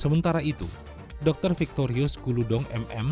sementara itu dr victorius kuludong mm